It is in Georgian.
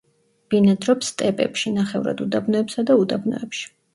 ბინადრობს სტეპებში, ნახევრად უდაბნოებსა და უდაბნოებში.